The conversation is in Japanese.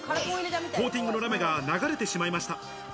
コーティングのラメが流れてしまいました。